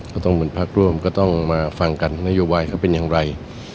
ก็ต้องเหมือนพักร่วมก็ต้องมาฟังกันนโยบายเขาเป็นอย่างไร